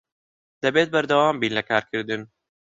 دەبێت بەردەوام بین لە کارکردن.